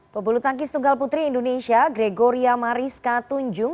pebulu tangkis tunggal putri indonesia gregoria mariska tunjung